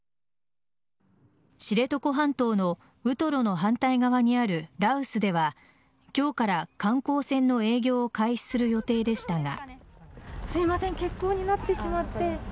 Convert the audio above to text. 知床半島のウトロの反対側にある羅臼では今日から観光船の営業を開始する予定でしたが。